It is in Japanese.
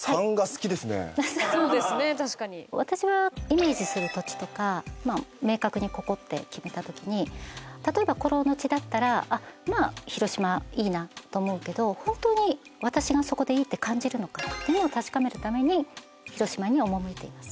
私はイメージする土地とか明確にここって決めたときに。と思うけど本当に私がそこでいいって感じるのかっていうのを確かめるために広島に赴いています。